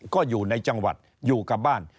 ก็อยู่ในจังหวัดอยู่กับบ้าน